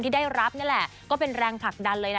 ที่ได้รับนี่แหละก็เป็นแรงผลักดันเลยนะ